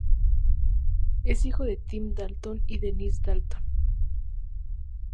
Es hijo de Tim Dalton y Denise Dalton.